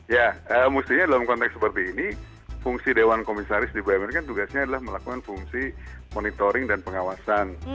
ya mestinya dalam konteks seperti ini fungsi dewan komisaris di bumn kan tugasnya adalah melakukan fungsi monitoring dan pengawasan